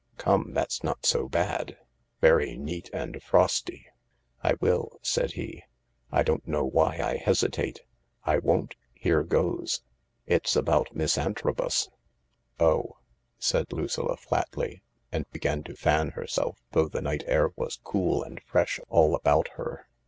("Come, that's not so bad I Very neat and frosty.") " I will," said he. " I don't know why I hesitate. I won't. Here goes. It's about Miss Antrobus," " Oh," said Lucilla flatly, and began to fan herself, though the night air was cool and fresh all about her.